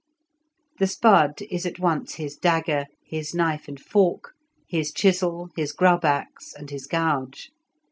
The spud is at once his dagger, his knife and fork, his chisel, his grub axe, and his gouge.